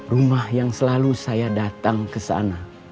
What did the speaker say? rumah yang selalu saya datang ke sana